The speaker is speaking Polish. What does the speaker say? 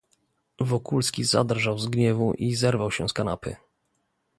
"Wokulski zadrżał z gniewu i zerwał się z kanapy."